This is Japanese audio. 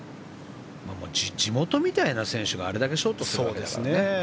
地元みたいな選手があれだけショートしますからね。